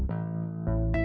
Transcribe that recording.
disini poli mengangkat t bake